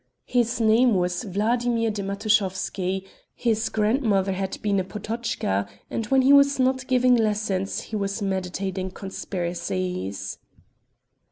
His name was Vladimir de Matuschowsky, his grandmother had been a Potocka, and when he was not giving lessons, he was meditating conspiracies.